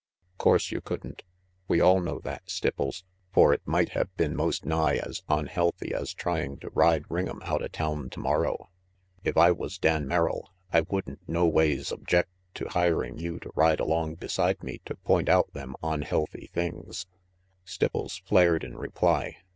: 'Course you couldn't. We all know that, Stipples, for it might have been most nigh as onhealthy as trying to ride Ring'em outa town tomorrow. If I was Dan Merrill, I wouldn't noways object to hiring you to ride along beside me to point out them onhealthy things." 228 RANGY PETE Stipples flared in reply.